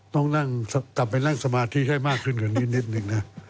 ต้องกลับไปนั่งสมาธิให้มากขึ้น